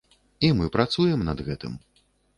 І мы працуем над гэтым.